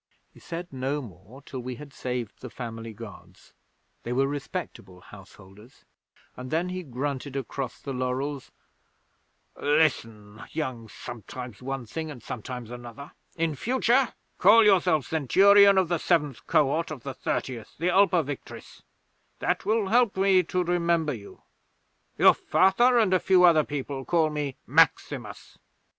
'He said no more till we had saved the family gods (they were respectable householders), and then he grunted across the laurels: "Listen, young sometimes one thing and sometimes another. In future call yourself Centurion of the Seventh Cohort of the Thirtieth, the Ulpia Victrix. That will help me to remember you. Your Father and a few other people call me Maximus."